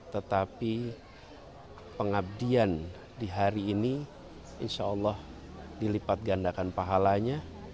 tetapi pengabdian di hari ini insya allah dilipat gandakan pahalanya